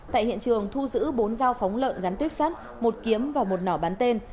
tại hiện trường thu giữ bốn dao phóng lợn gắn tuyếp sắt một kiếm và một nỏ bán tên